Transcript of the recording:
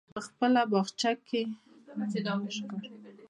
موږ په خپل باغچه کې سبزي کرو.